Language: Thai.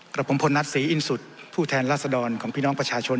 กับผมพลนัทศรีอินสุดผู้แทนราษฎรของพี่น้องประชาชน